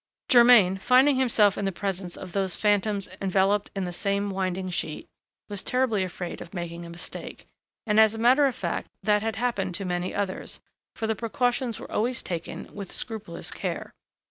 Germain, finding himself in the presence of those phantoms enveloped in the same winding sheet, was terribly afraid of making a mistake; and, as a matter of fact, that had happened to many others, for the precautions were always taken with scrupulous care.